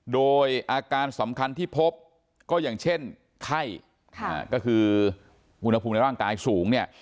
โดยอาการสำคัญที่พบก็อย่างเช่นไข้ก็คืออุณหภูมิในร่างกายสูงเนี่ย